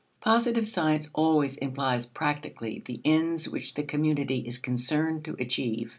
Positive science always implies practically the ends which the community is concerned to achieve.